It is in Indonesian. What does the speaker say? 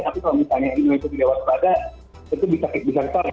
tapi kalau misalnya indonesia di bawah kepada itu bisa kita lihat